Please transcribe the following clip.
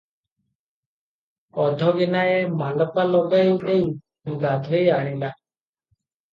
ଅଧଗିନାଏ ମାଲପା ଲଗାଇ ଦେଇ ଗାଧୋଇ ଆଣିଲା ।